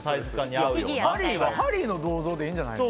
ハリーの銅像でいいんじゃないの？